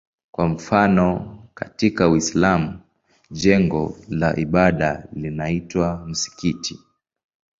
Kwa mfano katika Uislamu jengo la ibada linaitwa msikiti.